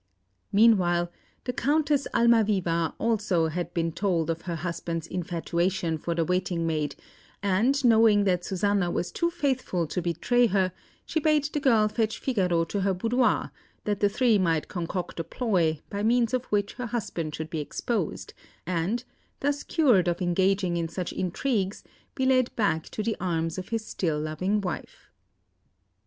Meanwhile, the Countess Almaviva had also been told of her husband's infatuation for the waiting maid; and knowing that Susanna was too faithful to betray her, she bade the girl fetch Figaro to her boudoir, that the three might concoct a plot by means of which her husband should be exposed, and, thus cured of engaging in such intrigues, be led back to the arms of his still loving wife.